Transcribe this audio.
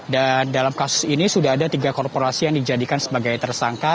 dan dalam kasus ini sudah ada tiga korporasi yang dijadikan sebagai tersangka